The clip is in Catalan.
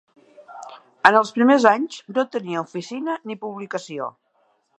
En els primers anys, no tenia oficina ni publicació.